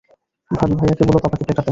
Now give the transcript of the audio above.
ভাবি, ভাইয়াকে বলো পাপাকে পটাতে।